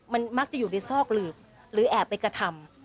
มันมักจะอยู่ในซอกหลืบหรือแอบไปกระทำ